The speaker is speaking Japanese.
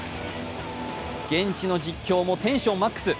現地の実況もテンションマックス。